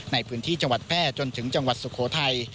ในพื้นที่จังหวัดแพร่จนถึงจังหวัดสุโขทัย